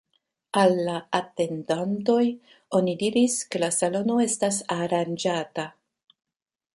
Al la atendantoj oni diris, ke la salono estas aranĝata.